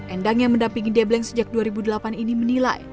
endang yang mendampingi debleng sejak dua ribu delapan ini menilai